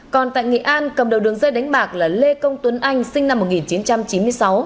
còn tại nghệ an cầm đầu đường dây đánh bạc là lê công tuấn anh sinh năm một nghìn chín trăm chín mươi sáu